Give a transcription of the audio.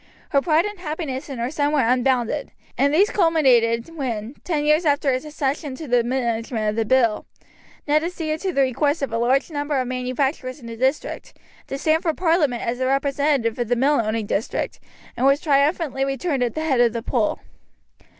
Her pride and happiness in her son were unbounded, and these culminated when, ten years after his accession to the management of the mill, Ned acceded to the request of a large number of manufacturers in the district, to stand for Parliament as the representative of the mill owning interest, and was triumphantly returned at the head of the poll.